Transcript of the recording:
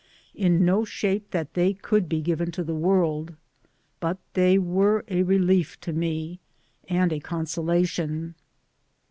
In no shape that they could be given to the world ; but they were a relief to me, and a consolation.